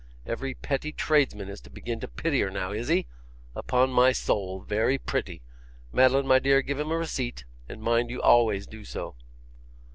Every petty tradesman is to begin to pity her now, is he? Upon my soul! Very pretty. Madeline, my dear, give him a receipt; and mind you always do so.